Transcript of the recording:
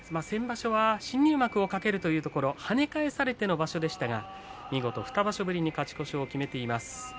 先場所は新入幕を懸けるというところを跳ね返されての場所でしたが見事２場所ぶりに勝ち越しを決めています。